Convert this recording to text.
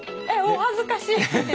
えっお恥ずかしい。